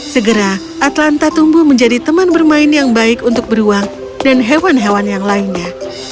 segera atlanta tumbuh menjadi teman bermain yang baik untuk beruang dan hewan hewan yang lainnya